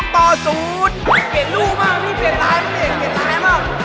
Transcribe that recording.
เปลี่ยนรู้มากว่าเปลี่ยนรายบะเตียยม